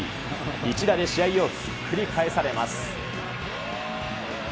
一打で試合をひっくり返されます。